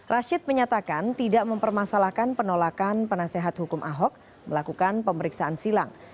rashid menyatakan tidak mempermasalahkan penolakan penasehat hukum ahok melakukan pemeriksaan silang